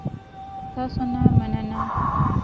تاسو نه مننه